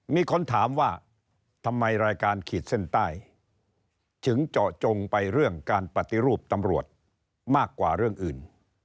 มีคนถามว่าทำไมรายการขีดเส้นใต้ถึงเจาะจงไปเรื่องการปฏิรูปตำรวจมากกว่าเรื่องอื่น